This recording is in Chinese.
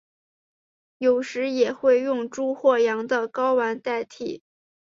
有时也会用猪或羊的睾丸代替。